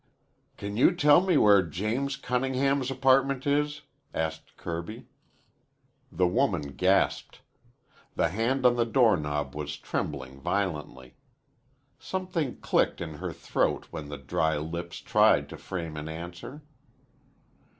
"Can you tell me where James Cunningham's apartment is?" asked Kirby. The woman gasped. The hand on the doorknob was trembling violently. Something clicked in her throat when the dry lips tried to frame an answer.